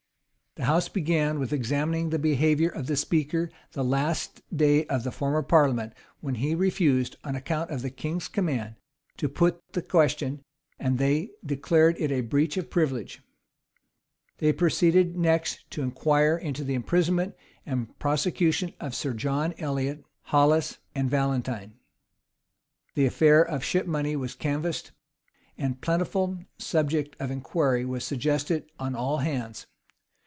[*] The house began with examining the behavior of the speaker the last day of the former parliament; when he refused, on account of the king's command, to put the question: and they declared it a breach of privilege. They proceeded next to inquire into the imprisonment and prosecution of Sir John Elliot, Hollis, and Valentine:[] the affair of ship money was canvassed: and plentiful subject of inquiry was suggested on all hands.